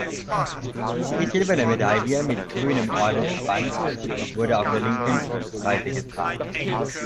Die silberne Medaille mit grünem Ordensband wurde auf der linken Brustseite getragen.